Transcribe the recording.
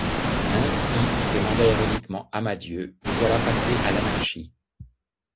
Ainsi, demanda ironiquement Amadieu, vous voilà passé à l'anarchie?